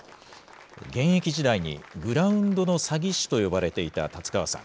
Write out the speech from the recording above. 現役時代にグラウンドの詐欺師と呼ばれていた達川さん。